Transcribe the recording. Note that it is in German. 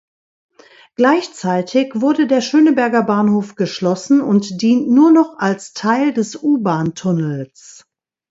Gleichzeitig wurde der Schöneberger Bahnhof geschlossen und dient nur noch als Teil des U-Bahn-Tunnels.